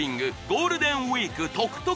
ゴールデンウィーク得々！